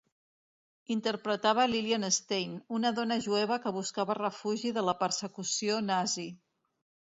Interpretava Lillian Stein, una dona jueva que buscava refugi de la persecució nazi.